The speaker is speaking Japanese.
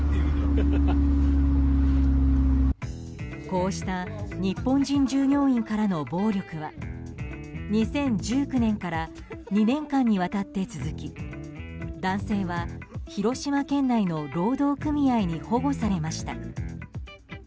こうした日本人従業員からの暴力は２０１９年から２年間にわたって続き男性は広島県内の労働組合に保護されました。